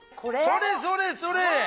それそれそれ。